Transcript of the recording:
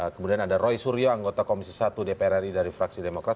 kemudian ada roy suryo anggota komisi satu dpr ri dari fraksi demokrat